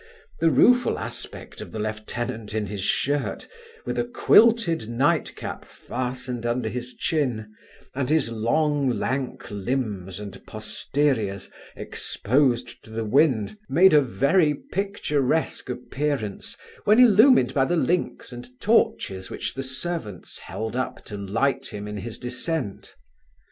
The rueful aspect of the lieutenant in his shirt, with a quilted night cap fastened under his chin, and his long lank limbs and posteriors exposed to the wind, made a very picturesque appearance, when illumined by the links and torches which the servants held up to light him in his descent.